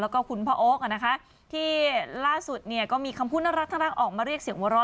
แล้วก็คุณพ่อโอ๊คที่ล่าสุดเนี่ยก็มีคำพูดน่ารักออกมาเรียกเสียงหัวเราะ